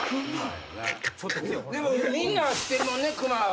みんな知ってるもんねクマは。